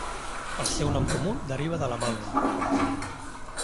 El seu nom comú deriva de la malva.